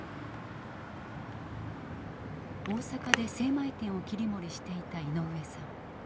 大阪で精米店を切り盛りしていた井上さん。